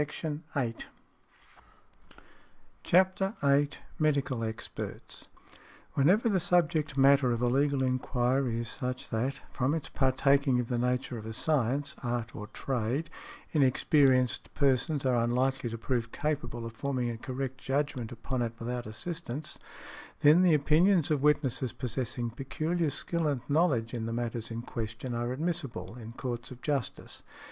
|108| CHAPTER VIII. MEDICAL EXPERTS. Whenever the subject matter of a legal enquiry is such that, from its partaking of the nature of a science, art or trade, inexperienced persons are unlikely to prove capable of forming a correct judgment upon it without assistance, then the opinions of witnesses possessing peculiar skill and knowledge in the matters in question are admissible in courts of justice.